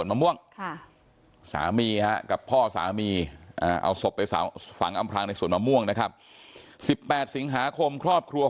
น้องจ้อยนั่งก้มหน้าไม่มีใครรู้ข่าวว่าน้องจ้อยเสียชีวิตไปแล้ว